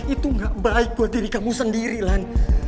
itu gak baik buat diri kamu sendiri kan